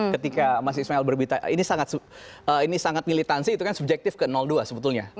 ketika mas ismail berbicara ini sangat militansi itu kan subjektif ke dua sebetulnya